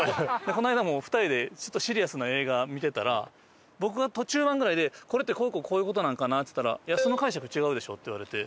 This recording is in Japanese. この間も２人でシリアスな映画見てたら僕が中盤ぐらいで「これってこうこうこういう事なんかな？」って言ったら「その解釈違うでしょ」って言われて。